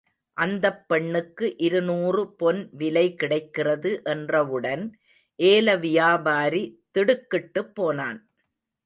அந்தப் பெண்ணுக்கு இருநூறு பொன் விலை கிடைக்கிறது என்றவுடன், ஏலவியாபாரி திடுக்கிட்டுப் போனான்.